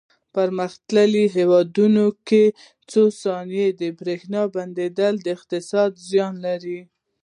په پرمختللو هېوادونو کې څو ثانیې د برېښنا بندېدل اقتصادي زیان لري.